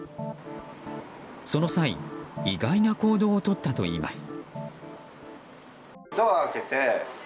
その際、意外な行動をとったといいます。